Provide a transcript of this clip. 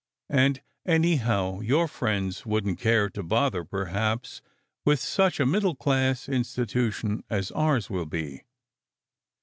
And, anyhow, your friends wouldn t care to bother perhaps with such a middle class institution as ours will be.